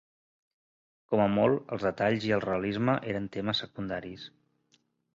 Com a molt, els detalls i el realisme eren temes secundaris.